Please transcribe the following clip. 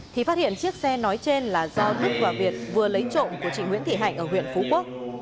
thì phát hiện chiếc xe nói trên là do đức và việt vừa lấy trộm của chị nguyễn thị hạnh ở huyện phú quốc